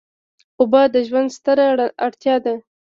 اوبه د ژوند ستره اړتیا ده.